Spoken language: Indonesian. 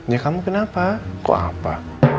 ya kamu kenapa kok apa